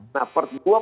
nah dua pertimbangan